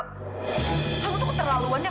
kamu tuh keterlaluannya